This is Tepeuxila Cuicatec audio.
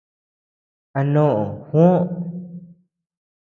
¿A noʼö Juó?